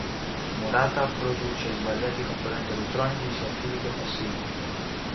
Murata produce svariati componenti elettronici sia attivi che passivi.